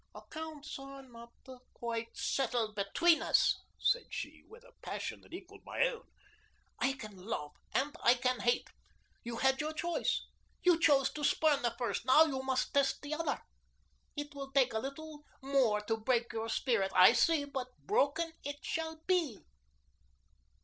"Accounts are not quite settled between us," said she, with a passion that equalled my own. "I can love, and I can hate. You had your choice. You chose to spurn the first; now you must test the other. It will take a little more to break your spirit, I see, but broken it shall be.